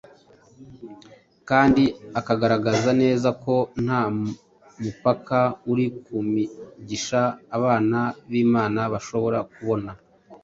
kandi akagaragaza neza ko nta mupaka uri ku migisha abana b’Imana bashobora kubona